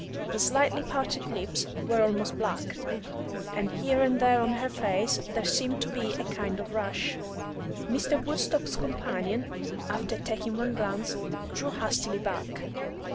The slightly parted lips were almost black, and here and there on her face there seemed to be a kind of rash. Mr. Woodstock's companion, after taking one glance, drew hastily back.